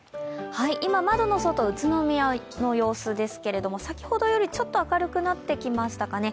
今窓の外、宇都宮の様子ですが先ほどよりちょっと明るくなってきましたかね。